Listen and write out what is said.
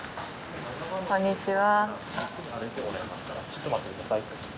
こんにちは。